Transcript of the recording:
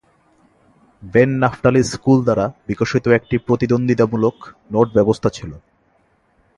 Ben Naftali school দ্বারা বিকশিত একটি প্রতিদ্বন্দ্বিতামূলক নোট ব্যবস্থা ছিল।